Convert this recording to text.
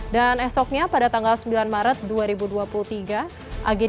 dan esoknya pada tanggal sembilan maret dua ribu dua puluh tiga aget